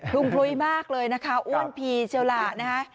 ุ่มพลุยมากเลยนะคะอ้วนพีเชียวล่ะนะคะ